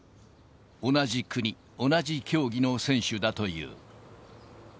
同じ国、同じ競技の選手だという。